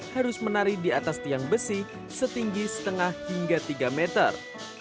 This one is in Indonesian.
harus menari di atas tiang besi setinggi setengah hingga tiga meter